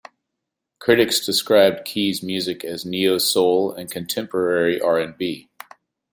Critics described Keys' music as neo soul and contemporary R and B.